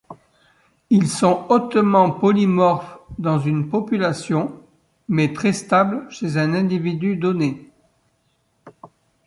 Ils sont hautement polymorphes dans une population, mais très stables chez un individu donné.